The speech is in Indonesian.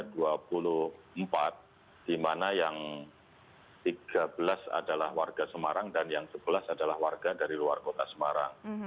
di mana yang tiga belas adalah warga semarang dan yang sebelas adalah warga dari luar kota semarang